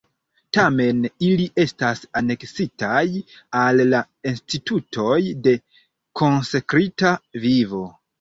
Tamen ili estas aneksitaj al la institutoj de konsekrita vivo.